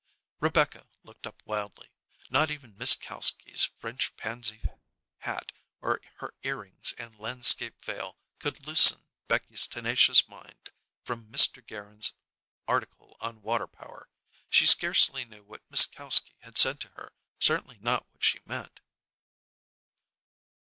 Rebecca looked up wildly. Not even Miss Kalski's French pansy hat or her ear rings and landscape veil could loosen Becky's tenacious mind from Mr. Gerrard's article on water power. She scarcely knew what Miss Kalski had said to her, certainly not what she meant.